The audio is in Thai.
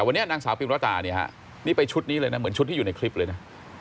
วันนี้นางสาวพิมรตาเนี่ยฮะนี่ไปชุดนี้เลยนะเหมือนชุดที่อยู่ในคลิปเลยนะ